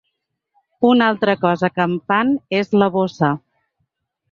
Una altra cosa que em fan és la bossa.